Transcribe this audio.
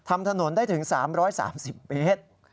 ทำถนนได้ถึง๓๓๐เมตร